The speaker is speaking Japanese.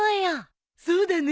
そうだね！